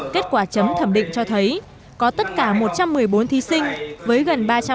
kết quả chấm thẩm định cho thấy có tất cả một trăm một mươi bốn thí sinh với gần ba trăm bốn mươi bài thi